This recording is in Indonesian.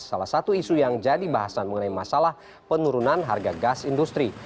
salah satu isu yang jadi bahasan mengenai masalah penurunan harga gas industri